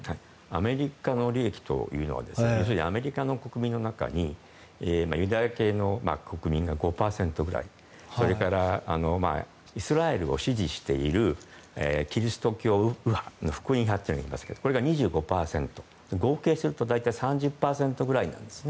アメリカの利益というのは要するにアメリカの国民の中にユダヤ系の国民が５％ぐらいそれからイスラエルを支持しているキリスト教右派の福音派がいますけどこれが２５％、合計すると大体３０％ぐらいなんです。